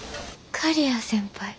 刈谷先輩？